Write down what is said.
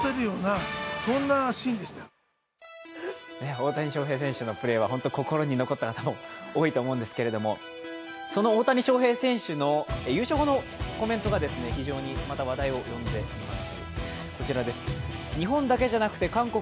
大谷翔平選手のプレーは本当に心に残った方、多いと思うんですけど、その大谷選手の優勝後のコメントが非常に話題を呼んでいます。